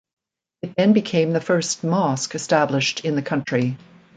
It then became the first mosque established in the country.